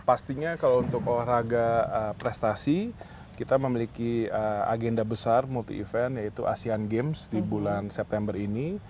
pastinya kalau untuk olahraga prestasi kita memiliki agenda besar multi event yaitu asean games di bulan september ini